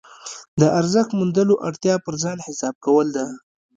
د ارزښت موندلو اړتیا پر ځان حساب کول ده.